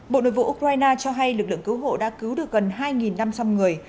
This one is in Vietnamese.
bộ nội vụ ukraine cho hay lực lượng cứu hộ đã cứu được gần hai năm trăm linh người